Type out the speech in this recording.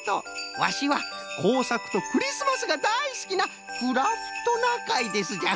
ワシはこうさくとクリスマスがだいすきなクラフトナカイですじゃ。